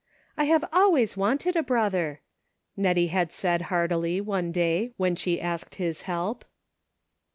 " I have always wanted a brothv r," Nettie had said, heartily, one day, when she asked his help.